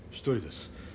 １人です。